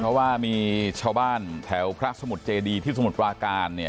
เพราะว่ามีชาวบ้านแถวพระสมุทรเจดีที่สมุทรปราการเนี่ย